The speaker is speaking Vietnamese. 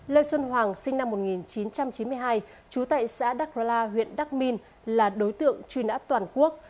lê xuân hoàng sinh năm một nghìn chín trăm chín mươi hai trú tại xã đắk rơ la huyện đắc minh là đối tượng truy nã toàn quốc